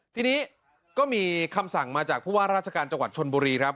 ทีนี้ก็มีคำสั่งมาจากผู้ว่าราชการจังหวัดชนบุรีครับ